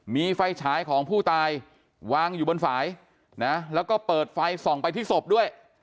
มีไฟฉายของผู้ตายวางอยู่บนฝ่ายนะแล้วก็เปิดไฟส่องไปที่ศพด้วย